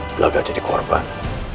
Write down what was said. belaga jadi korban